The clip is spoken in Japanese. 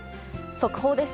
速報です。